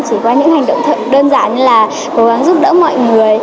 chỉ qua những hành động thật đơn giản như là cố gắng giúp đỡ mọi người